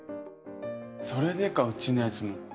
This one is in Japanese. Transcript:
それでかうちのやつも。